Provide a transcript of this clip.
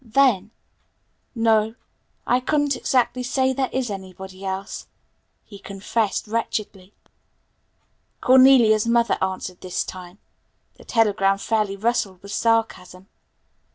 Then, "No, I couldn't exactly say there is anybody else," he confessed wretchedly. Cornelia's mother answered this time. The telegram fairly rustled with sarcasm.